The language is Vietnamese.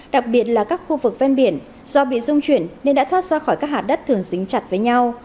đặc biệt là các khu vực ven biển do bị dung chuyển nên đã thoát ra khỏi các hạt đất thường dính chặt với nhau